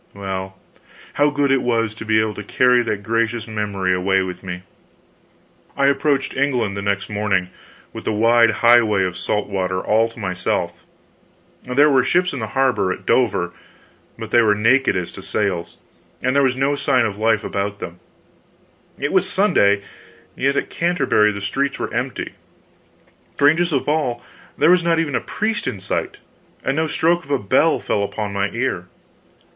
Well, how good it was to be able to carry that gracious memory away with me! I approached England the next morning, with the wide highway of salt water all to myself. There were ships in the harbor, at Dover, but they were naked as to sails, and there was no sign of life about them. It was Sunday; yet at Canterbury the streets were empty; strangest of all, there was not even a priest in sight, and no stroke of a bell fell upon my ear.